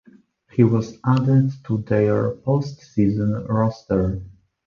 He was added to their postseason roster.